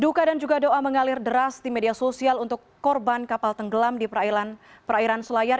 duka dan juga doa mengalir deras di media sosial untuk korban kapal tenggelam di perairan selayar